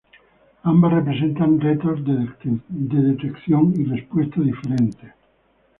Ambas representan retos de detección y respuesta diferentes.